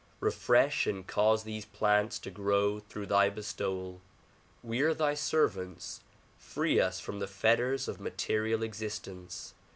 Refresh and cause these plants to grow through thy bestowal. We are thy servants; free us from the fetters of material existence.